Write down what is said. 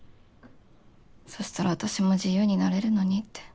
そしたら私も自由になれるのにって。